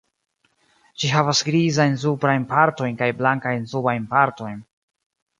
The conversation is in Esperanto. Ĝi havas grizajn suprajn partojn kaj blankajn subajn partojn.